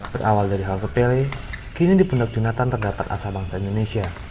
berawal dari hal sepele kini dipendokjuratan terdatar asal bangsa indonesia